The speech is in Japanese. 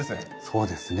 そうですね。